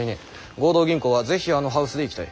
合同銀行は是非あのハウスでいきたい。